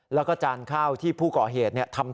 แล้วก็จานข้าวที่ผู้ก่อเหตุทำตกไว้นะฮะ